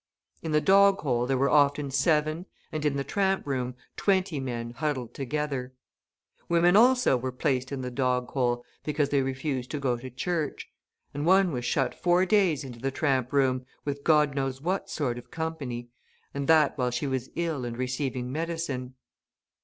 In the dog hole there were often seven, and in the tramp room, twenty men huddled together. Women, also, were placed in the dog hole, because they refused to go to church; and one was shut four days into the tramp room, with God knows what sort of company, and that while she was ill and receiving medicine!